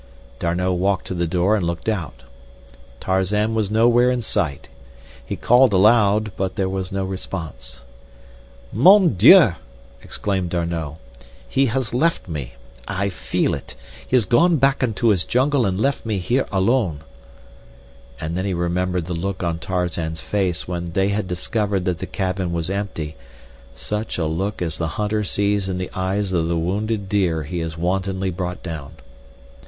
D'Arnot walked to the door and looked out. Tarzan was nowhere in sight. He called aloud but there was no response. "Mon Dieu!" exclaimed D'Arnot, "he has left me. I feel it. He has gone back into his jungle and left me here alone." And then he remembered the look on Tarzan's face when they had discovered that the cabin was empty—such a look as the hunter sees in the eyes of the wounded deer he has wantonly brought down.